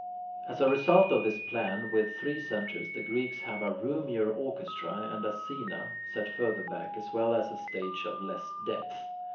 2. As a result of this plan with three centres, the Greeks have a roomier orchestra, and a "scaena" set further back, as well as a stage of less depth.